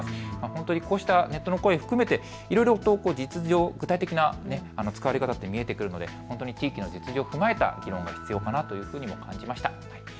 本当にこうしたネットの声を含めていろいろ実情、具体的な使われ方というのが見えてくるので本当に地域の実情を踏まえた議論が必要かなというふうに感じました。